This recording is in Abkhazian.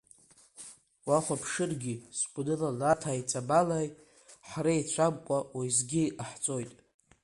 Уахәаԥшыргьы, сгәанала лаҭааи ҵабалааи ҳреицәамкәа уеизгьы иҟаҳҵоит!